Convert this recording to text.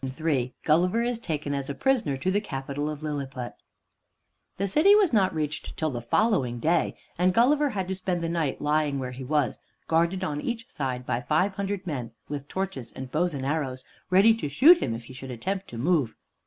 III GULLIVER IS TAKEN AS A PRISONER TO THE CAPITAL OF LILLIPUT The city was not reached till the following day, and Gulliver had to spend the night lying where he was, guarded on each side by five hundred men with torches and bows and arrows, ready to shoot him if he should attempt to move.